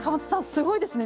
すごいですね。